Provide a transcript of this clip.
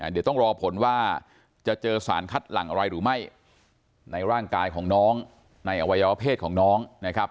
เดี๋ยวต้องรอผลว่าจะเจอสารคัดหลังอะไรหรือไม่ในร่างกายของน้องในอวัยวะเพศของน้องนะครับ